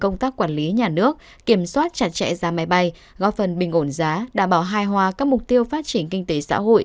công tác quản lý nhà nước kiểm soát chặt chẽ giá máy bay góp phần bình ổn giá đảm bảo hai hòa các mục tiêu phát triển kinh tế xã hội